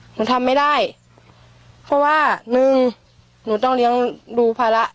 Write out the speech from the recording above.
หนูทำไม่ได้เพราะว่าหนึ่งหนูต้องเลี้ยงดูภาระ